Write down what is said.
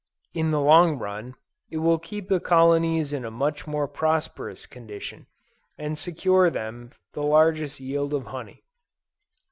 In the long run, it will keep the colonies in a much more prosperous condition, and secure from them the largest yield of honey.